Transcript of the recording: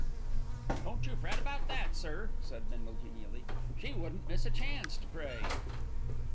"Don't you fret about that, sir," said Bindle genially. "She wouldn't miss a chance to pray."